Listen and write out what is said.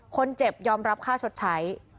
คนเจ็บยอมรับค่าชดใช้